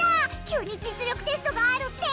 急に実力テストがあるって！